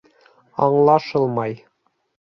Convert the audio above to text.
Аңлашылмай.